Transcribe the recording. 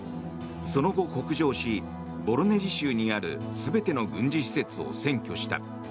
その後、北上しボロネジ州にある全ての軍事施設を占拠した。